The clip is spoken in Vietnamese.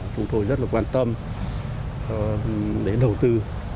chúng tôi rất là quan tâm để đầu tư